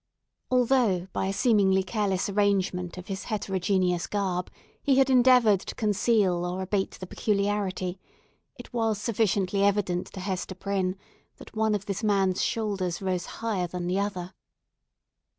Although, by a seemingly careless arrangement of his heterogeneous garb, he had endeavoured to conceal or abate the peculiarity, it was sufficiently evident to Hester Prynne that one of this man's shoulders rose higher than the other.